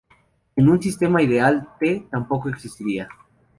En un sistema ideal, T tampoco existiría.